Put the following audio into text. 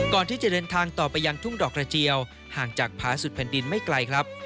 ก่อนที่จะเดินทางต่อไปยังทุ่งดอกกระเจียวห่างจากผาสุดแผ่นดินไม่ไกลครับ